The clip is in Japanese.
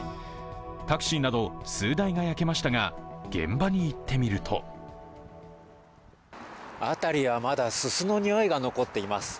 タクシーなど数台が焼けましたが、現場に行ってみると辺りは、まだ、すすのにおいが残っています。